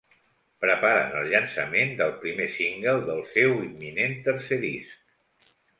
Preparen el llançament del primer single del seu imminent tercer disc.